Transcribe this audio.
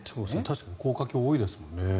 確かに高架橋、多いですもんね。